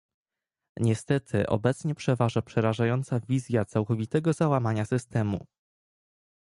Niestety obecnie przeważa przerażająca wizja całkowitego załamania systemu